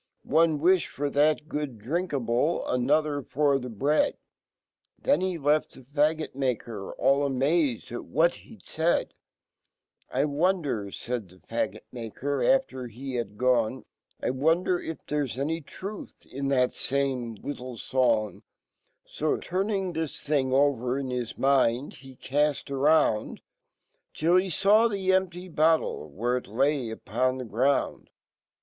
One wilhfof that gooddrinkabl ^another f^r the bread." Then he left fhefaggot maker all amazed atwhat he'dfaid. "I wonder,* fay* ^ie faggot maker, after he had g, tt lwnder iffhere'j any trufhinfhat famelittle fong \ n 5,turnlng fhisfhfng <>verinh/smind, hecafl around, 'Till he faw the empty bottf e where i t lay upon fhe ground